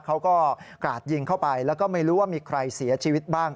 กราดยิงเข้าไปแล้วก็ไม่รู้ว่ามีใครเสียชีวิตบ้าง